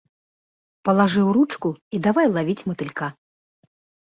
Палажыў ручку, і давай лавіць матылька.